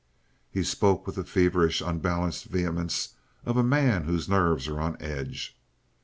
He spoke with the feverish, unbalanced vehemence of a man whose nerves are on edge.